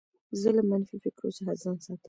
زه له منفي فکرو څخه ځان ساتم.